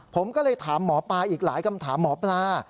ผมก็เลยถามหมอปลาอีกหลายคำถามหมอปลา